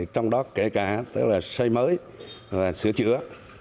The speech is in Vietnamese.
trong đó kể cả xây mới và sửa chữa